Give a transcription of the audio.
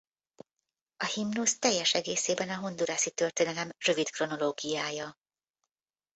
A himnusz teljes egészében a hondurasi történelem rövid kronológiája.